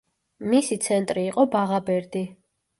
მისი ცენტრი იყო ბაღაბერდი.